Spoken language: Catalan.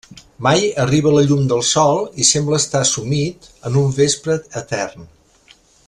Mai arriba la llum del Sol i sembla estar sumit en un vespre etern.